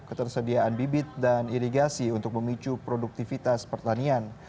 ketersediaan bibit dan irigasi untuk memicu produktivitas pertanian